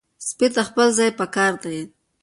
سپي ته خپل ځای پکار دی.